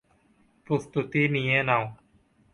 প্রস্তুতি নিয়ে নাও।